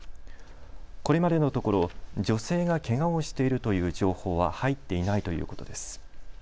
これまでのところ女性がけがをしているという情報は入っていないということです。